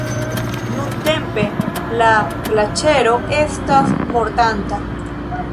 Nuntempe la glaĉero estas mortanta.